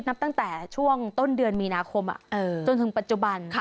นับตั้งแต่ช่วงต้นเดือนมีนาคมจนถึงปัจจุบัน